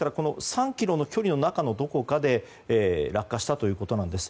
３ｋｍの距離の中のどこかで落下したということなんです。